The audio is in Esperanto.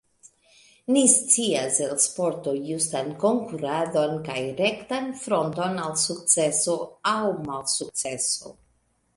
Ni scias el sporto justan konkuradon kaj rektan fronton al sukceso aŭ malsukceso.